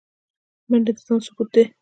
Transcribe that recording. منډه د ځان ثبوت دی